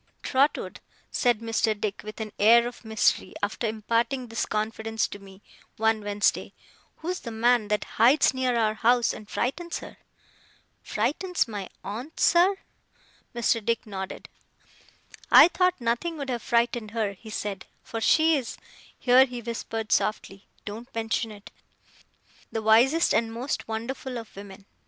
'Trotwood,' said Mr. Dick, with an air of mystery, after imparting this confidence to me, one Wednesday; 'who's the man that hides near our house and frightens her?' 'Frightens my aunt, sir?' Mr. Dick nodded. 'I thought nothing would have frightened her,' he said, 'for she's ' here he whispered softly, 'don't mention it the wisest and most wonderful of women.